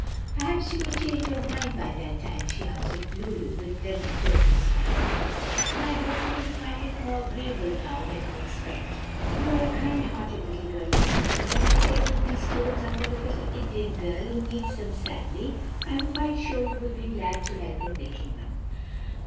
"Perhaps you may change your mind by that time," she answered Lulu, with pleasant tone and smile; "and I hope you will find it more agreeable now than you expect. You are a kind hearted little girl, I know, and when I tell you these clothes are for a little Indian girl who needs them sadly, I am quite sure you will be glad to help in making them."